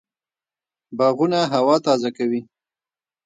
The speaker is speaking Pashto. باغونه هوا تازه کوي